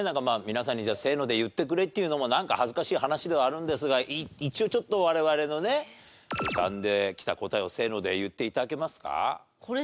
皆さんにせーので言ってくれっていうのもなんか恥ずかしい話ではあるんですが一応ちょっと我々のね浮かんできた答えをせーので言って頂けますか？